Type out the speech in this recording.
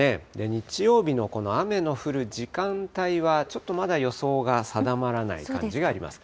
日曜日のこの雨の降る時間帯は、ちょっとまだ予想が定まらない感じがあります。